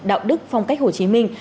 đạo đức phong cách hồ chí minh